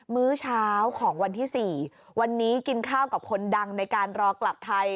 มื้อเช้าของวันที่๔วันนี้กินข้าวกับคนดังในการรอกลับไทย